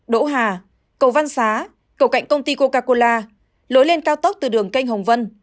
đỗ hà cầu văn xá cầu cạnh công ty coca cola lối lên cao tốc từ đường canh hồng vân